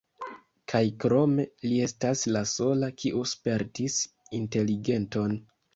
Kaj krome, li estas la sola kiu spertis inteligenton.